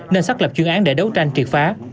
nên xác lập chuyên án để đấu tranh triệt phá